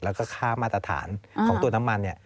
แล้วก็ค่ามาตรฐานของตัวน้ำมันเนี่ย